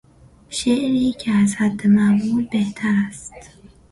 شعری که از حد معمول بهتر است